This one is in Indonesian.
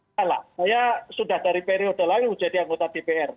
salah saya sudah dari periode lalu jadi anggota dpr